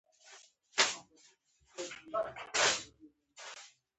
خواړه سوځي